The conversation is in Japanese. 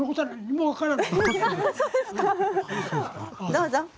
どうぞ。